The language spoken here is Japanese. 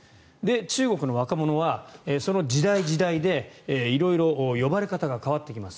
中国の若者はその時代時代で色々呼ばれ方が変わってきます。